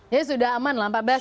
jadi sudah aman lah pak bas